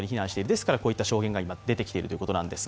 ですから、こういった証言が出ているということです。